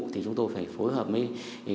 thì chúng tôi phải phối hợp với